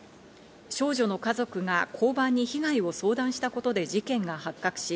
少女の家族が交番に被害を相談したことで事件が発覚し、